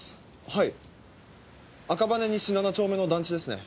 はい赤羽西７丁目の団地ですね。